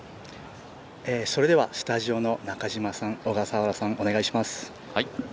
それでは、スタジオの中嶋さん、小笠原さん、お願いします。